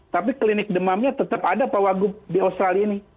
tapi klinik demamnya tetap ada di australia ini